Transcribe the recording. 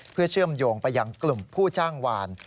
เพื่อเชื่อมโยงไปยังกลุ่มผู้จ้างวาน